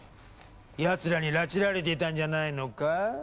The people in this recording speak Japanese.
奴らに拉致られていたんじゃないのか？